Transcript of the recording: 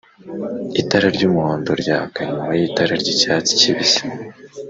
itara ry’umuhondo ryaka nyuma y’itara ry’icyatsi kibisi